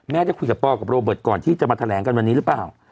ได้คุยกับปอกับโรเบิร์ตก่อนที่จะมาแถลงกันวันนี้หรือเปล่า